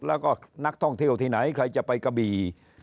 แล้วก็นักท่องเที่ยวที่ไหนใครจะไปกะบี่